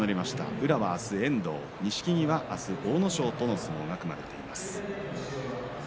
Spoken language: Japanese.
宇良は明日は遠藤錦木は明日は阿武咲との相撲が組まれています。